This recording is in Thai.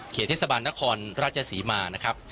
เทศบาลนครราชศรีมานะครับ